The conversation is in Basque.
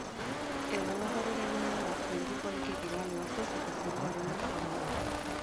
Egunak aurrera egin ahala, poliki-poliki giroa lehortuz eta zerua arinduz joango da.